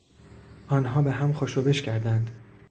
آنها بهم خوش و بش کردند.